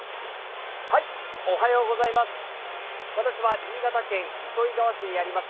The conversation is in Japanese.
私は新潟県糸魚川市にあります